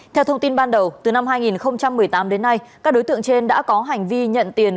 theo thông tin ban đầu từ năm hai nghìn một mươi tám đến nay các đối tượng trên đã có hành vi nhận tiền